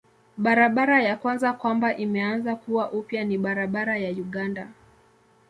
Barabara ya kwanza kwamba imeanza kuwa upya ni barabara ya Uganda.